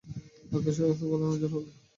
আকাশের অবস্থা ভালো না, ঝড় হবে।